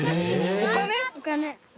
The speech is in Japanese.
お金。